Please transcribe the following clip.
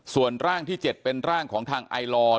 ส่วนร่างที่๗เป็นร่างของทางไอลอร์